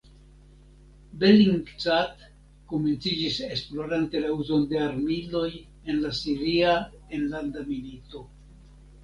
Bellingcat komenciĝis esplorante la uzon de armiloj en la siria enlanda milito.